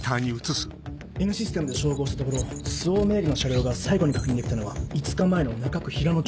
Ｎシステムで照合したところ周防名義の車両が最後に確認できたのは５日前の中区平野町。